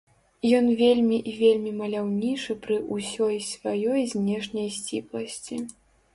Ён вельмі і вельмі маляўнічы пры ўсёй сваёй знешняй сціпласці.